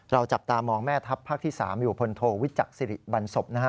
จับตามองแม่ทัพภาคที่๓อยู่พลโทวิจักษิริบันศพนะฮะ